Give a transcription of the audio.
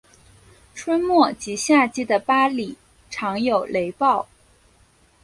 春末及夏季的巴里常有雷暴。